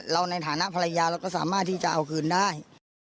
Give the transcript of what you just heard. ในฐานะภรรยาเราก็สามารถที่จะเอาคืนได้